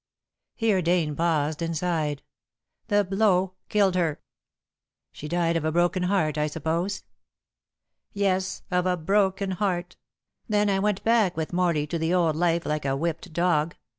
Here Dane paused and sighed. "The blow killed her." "She died of a broken heart, I suppose?" "Yes, of a broken heart. Then I went back with Morley to the old life like a whipped dog.